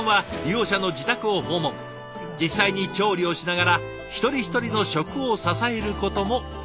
実際に調理をしながら一人一人の食を支えることも仕事。